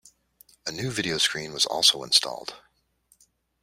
A new video screen was also installed.